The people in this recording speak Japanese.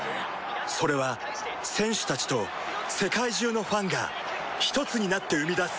それは選手たちと世界中のファンがひとつになって生み出す